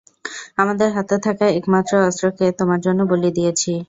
আমাদের হাতে থাকা একমাত্র অস্ত্রকে তোমার জন্য বলি দিয়েছি।